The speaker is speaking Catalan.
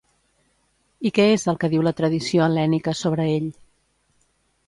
I què és el que diu la tradició hel·lènica sobre ell?